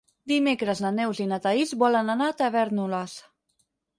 Dimecres na Neus i na Thaís volen anar a Tavèrnoles.